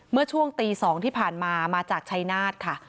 เมื่อช่วงตี๒ที่ผ่านมามาจากชัยนาธค่ะ